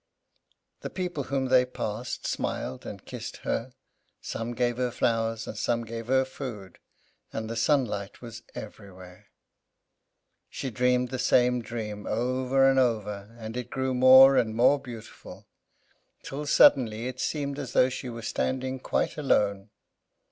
The people whom they passed smiled and kissed her; some gave her flowers, and some gave her food, and the sunlight was everywhere. She dreamed the same dream over and over, and it grew more and more beautiful; till, suddenly, it seemed as though she were standing quite alone.